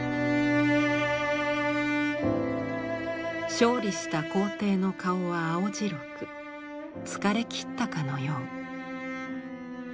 勝利した皇帝の顔は青白く疲れきったかのよう。